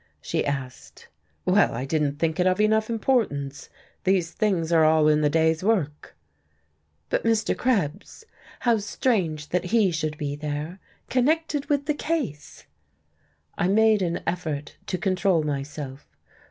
she asked. "Well, I didn't think it of enough importance these things are all in the day's work." "But Mr. Krebs? How strange that he should be here, connected with the case!" I made an effort to control myself.